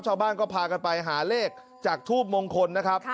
ชาวบ้านก็พากันไปหาเลขจากทูบมงคลนะครับ